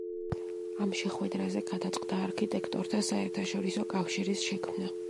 ამ შეხვედრაზე, გადაწყდა „არქიტექტორთა საერთაშორისო კავშირის“ შექმნა.